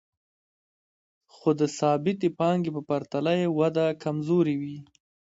خو د ثابتې پانګې په پرتله یې وده کمزورې وي